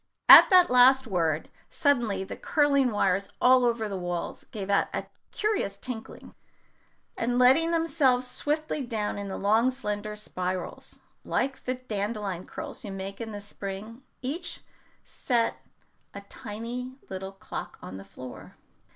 At that last word suddenly the curling wires all over the walls gave out a curious tinkling, and letting themselves swiftly down in long slender spirals, like the dandelion curls you make in the spring, each set a tiny little clock on the floor.